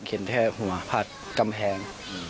เห็นแค่หัวผัดกำแพง